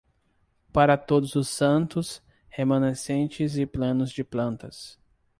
Para Todos os Santos, remanescentes e planos de plantas.